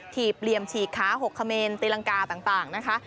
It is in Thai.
ีบเหลี่ยมฉีกขา๖เขมรตีรังกาต่างนะคะ